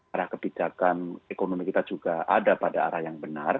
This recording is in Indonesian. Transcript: arah kebijakan ekonomi kita juga ada pada arah yang benar